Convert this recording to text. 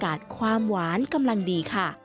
เสริมบรรยากาศความหวานกำลังดีค่ะ